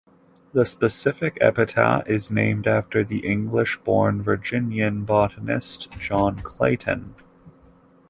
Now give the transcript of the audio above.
The specific epithet is named after the English-born Virginian botanist John Clayton.